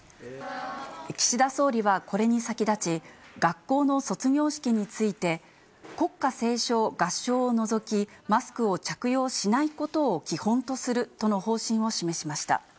岸田総理はこれに先立ち、学校の卒業式について、国歌斉唱、合唱を除き、マスクを着用しないことを基本とするとの方針を示しました。